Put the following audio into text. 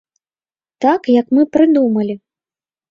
Так, як мы прыдумалі.